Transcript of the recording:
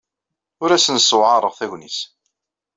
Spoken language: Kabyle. Ur asen-ssewɛaṛeɣ tagnit.